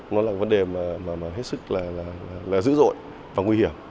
nó là vấn đề hết sức là dữ dội và nguy hiểm